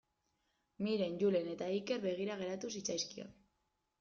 Miren, Julen eta Iker begira geratu zitzaizkion.